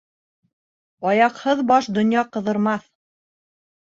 Аяҡһыҙ баш донъя ҡыҙырмаҫ.